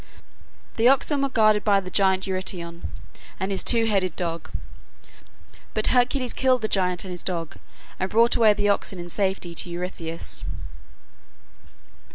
The oxen were guarded by the giant Eurytion and his two headed dog, but Hercules killed the giant and his dog and brought away the oxen in safety to Eurystheus.